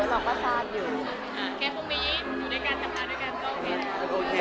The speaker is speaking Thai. แค่พรุ่งนี้อยู่ด้วยกันทำงานด้วยกันก็โอเคนะครับ